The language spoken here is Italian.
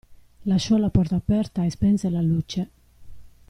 Lasciò la porta aperta e spense la luce.